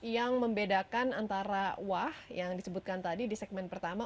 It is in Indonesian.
yang membedakan antara wah yang disebutkan tadi di segmen pertama